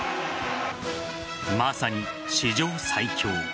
まさに史上最強。